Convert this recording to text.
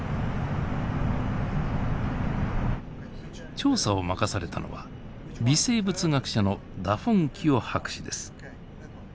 調査を任されたのは微生物学者のダフォンキオ博士です。